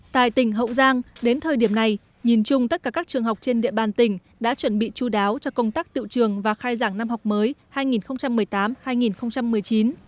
tại tỉnh hậu giang đến thời điểm này nhìn chung tất cả các trường học trên địa bàn tỉnh đã chuẩn bị chú đáo cho công tác tiệu trường và khai giảng năm học mới hai nghìn một mươi tám hai nghìn một mươi chín